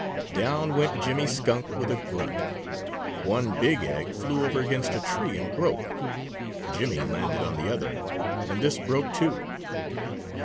Down went Jimmy Skunk with a grunt. One big egg flew over against a tree and broke. Jimmy landed on the other, and this broke, too.